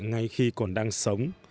ngay khi còn đang sống